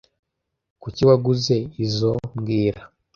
Kuki waguze izoi mbwira